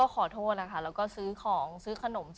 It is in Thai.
ครับ